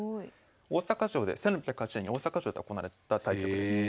で１６０８年に大阪城で行われた対局です。